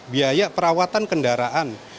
biaya perawatan kendaraan